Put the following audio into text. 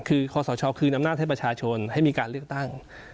คือคอนสระช้อคลือน้ำหน้าให้ประชาชนให้มีการเลือกตั้ง